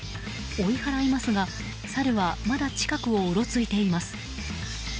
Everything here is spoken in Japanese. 追い払いますが、サルはまだ近くをうろついています。